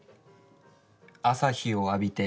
「朝日を浴びて」。